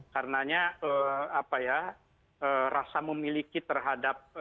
karena ya rasa memiliki terhadap